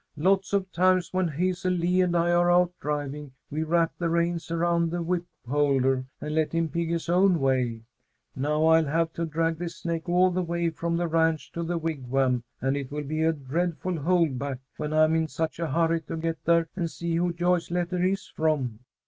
Lots of times when Hazel Lee and I are out driving, we wrap the reins around the whipholder and let him pick his own way. Now I'll have to drag this snake all the way from the ranch to the Wigwam, and it will be a dreadful holdback when I'm in such a hurry to get there and see who Joyce's letter is from.